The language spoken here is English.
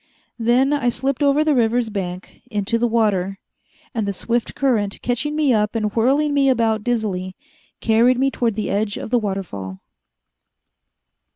Then I slipped over the river's bank, into the water, and the swift current, catching me up and whirling me around dizzily, carried me toward the edge of the waterfall.